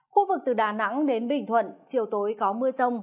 khu vực từ đà nẵng đến bình thuận chiều tối có mưa rông